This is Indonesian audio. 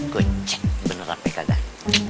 gue cek beneran pk gak